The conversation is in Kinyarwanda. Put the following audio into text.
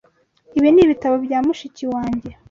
Ibi ni ibitabo bya mushiki wanjye.